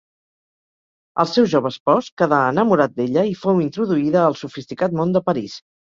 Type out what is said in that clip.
El seu jove espòs quedà enamorat d'ella, i fou introduïda al sofisticat món de París.